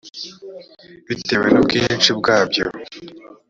bitewe n ubwinshi bwabyo